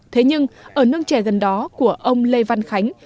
thế nhưng ở nương chè gần đó của ông lê văn khánh